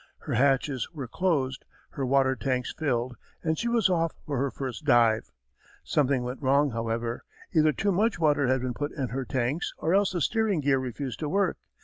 Her hatches were closed, her water tanks filled, and she was off for her first dive. Something went wrong however; either too much water had been put in her tanks or else the steering gear refused to work.